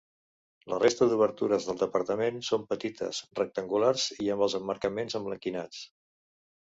La resta d'obertures del parament són petites, rectangulars i amb els emmarcaments emblanquinats.